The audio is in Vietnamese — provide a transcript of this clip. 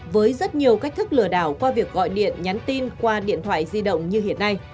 với rất nhiều cách thức lừa đảo qua việc gọi điện nhắn tin qua điện thoại di động như hiện nay